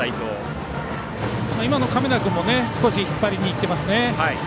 今、亀田君も少し引っ張りに行っていますね。